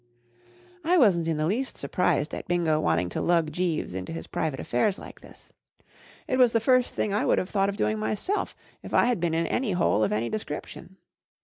I wasn't 111 the least surprised at Bingo wanting to lug Jeeves into his private affairs like this* It was the first thing I would have thought of doing myself if L had been in any hole of any description.